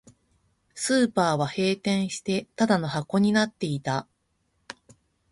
スーパーは閉店して、ただの箱になっていた